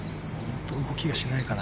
動きがしなやか。